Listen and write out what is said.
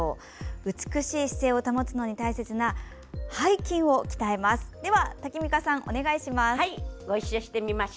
美しい姿勢を保つのに大切な背筋を鍛えます。